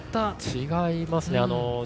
違いますね。